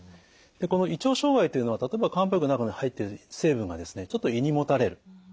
でこの胃腸障害というのは例えば漢方薬の中に入っている成分がちょっと胃にもたれる。